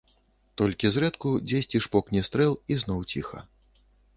Толькі зрэдку дзесьці шпокне стрэл, і зноў ціха.